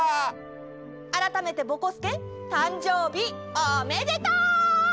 あらためてぼこすけたんじょうびおめでとう！